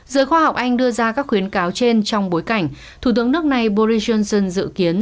giới khoa học anh đưa ra các khuyến cáo trên trong bối cảnh thủ tướng nước này boris johnson dự kiến